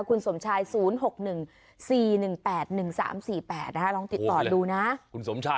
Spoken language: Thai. คุณสมชาย๐๖๑๔๑๘๑๓๔๘ลองติดต่อดูนะ